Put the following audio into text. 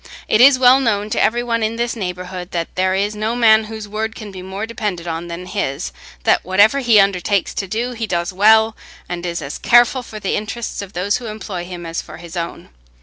It is well known to every one in this neighbourhood that there is no man whose word can be more depended on than his; that whatever he undertakes to do, he does well, and is as careful for the interests of those who employ him as for his own.